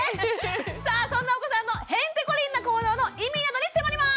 さあそんなお子さんのへンテコリンな行動の意味などに迫ります！